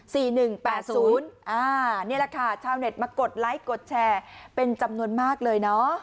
นี่แหละค่ะชาวเน็ตมากดไลค์กดแชร์เป็นจำนวนมากเลยเนอะ